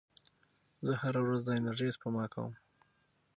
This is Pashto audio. زه هره ورځ د انرژۍ سپما کوم.